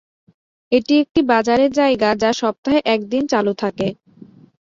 এটি একটি বাজারের জায়গা যা সপ্তাহে এক দিন চালু থাকে।